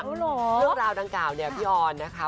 เรื่องราวดังกล่าวเนี่ยพี่ออนนะคะ